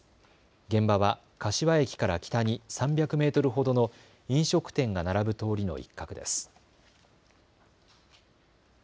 現場は柏駅から北に３００メートルほどの飲食店が並ぶ通りの一角です。